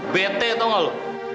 bete tau gak lo